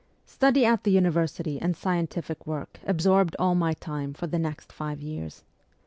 Study at the university and scientific work absorbed all my time for the next five years.